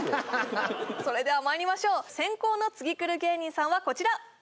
それではまいりましょう先攻の次くる芸人さんはこちら！